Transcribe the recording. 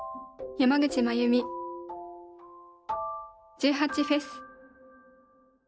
１８祭。